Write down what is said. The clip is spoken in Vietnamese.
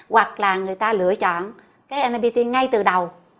hoặc là người ta lựa chọn cái npt ngay từ đầu